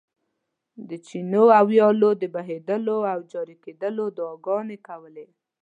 د چینو او ویالو د بهېدلو او جاري کېدلو دعاګانې کولې.